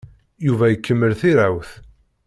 Yuba ikemmel tirawt.